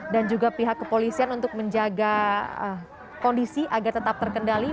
dan juga pihak kepolisian untuk menjaga kondisi agar tetap terkendali